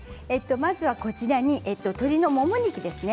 まずはこちらに鶏のもも肉ですね。